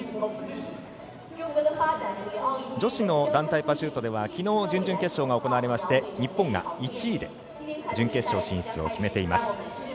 女子の団体パシュートではきのう、準々決勝が行われまして日本が１位で準決勝進出を決めています。